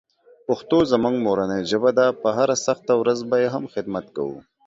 پښتو زموږ مورنۍ ژبه ده، په هره سخته ورځ به یې هم خدمت کوو.